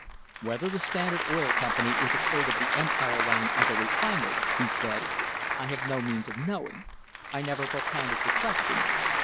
"Whether the Standard Oil Company was afraid of the Empire Line as a refiner," he said, "I have no means of knowing. I never propounded the question.